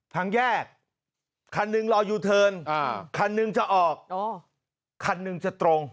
ทางแยกคัณึงรออยู่เทิร์นคัณึงจะออกคัณึงจะตรง